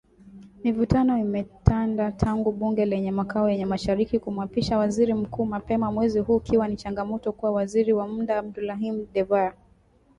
Mivutano imetanda tangu bunge lenye makao yake mashariki kumwapisha Waziri Mkuu mapema mwezi huu ikiwa ni changamoto kwa Waziri wa muda Abdulhamid Dbeibah